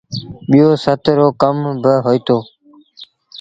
ٻيٚو سهت رو ڪم با هوئيٚتو۔